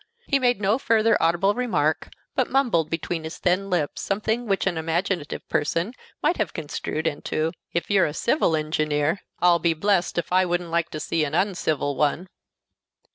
He made no further audible remark, but mumbled between his thin lips something which an imaginative person might have construed into, "If you're a civil engineer, I'll be blessed if I wouldn't like to see an uncivil one!"